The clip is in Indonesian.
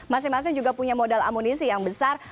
masing masing juga punya modal amunisi yang besar